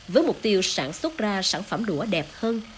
với mục tiêu sản xuất ra sản phẩm đũa đẹp hơn